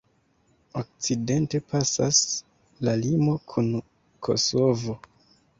Okcidente pasas la limo kun Kosovo.